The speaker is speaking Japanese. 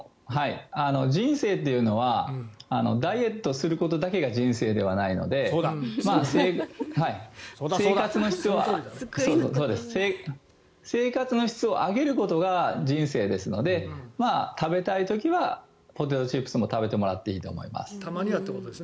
人生というのはダイエットすることだけが人生ではないので生活の質を上げることが人生ですので食べたい時はポテトチップスも食べてもらっていいと思います。